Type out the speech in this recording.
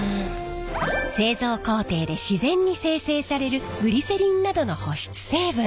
製造工程で自然に生成されるグリセリンなどの保湿成分。